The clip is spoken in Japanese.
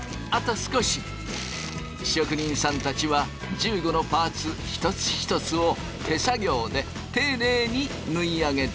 職人さんたちは１５のパーツ一つ一つを手作業で丁寧に縫い上げていく。